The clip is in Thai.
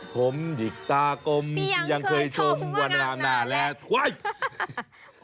ผมหยิกตากลมยังเคยชมวันหลังนานแหละพี่ยังเคยชมวันหลังนานแหละ